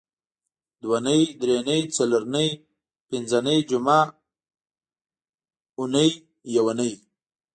دونۍ درېنۍ څلرنۍ پینځنۍ جمعه اونۍ یونۍ